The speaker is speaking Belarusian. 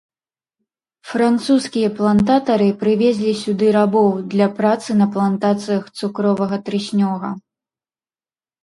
Французскія плантатары прывезлі сюды рабоў, для працы на плантацыях цукровага трыснёга.